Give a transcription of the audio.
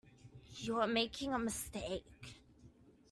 You are making a mistake.